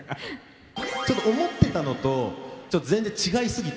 思ってたのとちょっと全然違いすぎて。